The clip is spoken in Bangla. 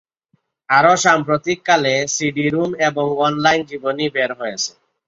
আরও সাম্প্রতিককালে, সিডি-রম এবং অনলাইন জীবনী বের হয়েছে।